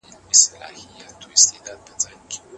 انارګل د نوې مېنې لپاره لرګی پیدا کړ.